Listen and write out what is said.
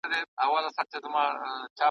شیخ دي نڅیږي پر منبر، منصور پر دار ختلی ,